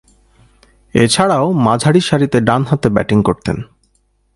এছাড়াও, মাঝারিসারিতে ডানহাতে ব্যাটিং করতেন।